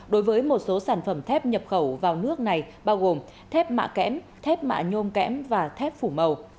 đối với một số sản phẩm thép nhập khẩu vào nước này bao gồm thép mạ kẽm thép mạ nhôm kẽm và thép phủ màu